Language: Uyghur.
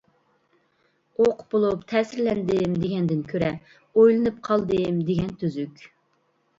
ئوقۇپ بولۇپ تەسىرلەندىم دېگەندىن كۆرە ئويلىنىپ قالدىم دېگەن تۈزۈك.